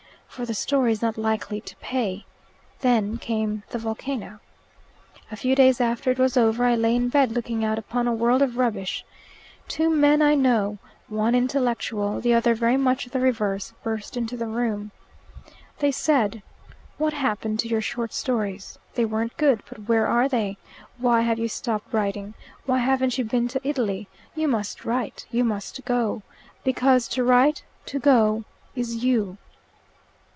For the story is not likely to pay. Then came the volcano. A few days after it was over I lay in bed looking out upon a world of rubbish. Two men I know one intellectual, the other very much the reverse burst into the room. They said, 'What happened to your short stories? They weren't good, but where are they? Why have you stopped writing? Why haven't you been to Italy? You must write. You must go. Because to write, to go, is you.